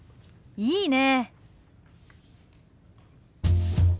いいねえ。